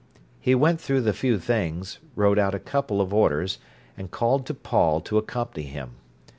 He went through the few things, wrote out a couple of orders, and called to Paul to accompany him.